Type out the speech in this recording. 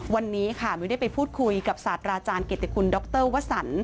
วันนี้ค่ะมิวได้ไปพูดคุยกับศาสตราอาจารย์เกติคุณดรวสัน